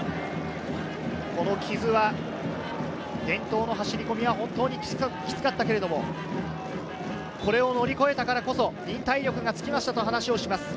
木津は伝統の走り込みは本当にキツかったけれど、これを乗り越えたからこそ、いい体力がつきましたと話しています。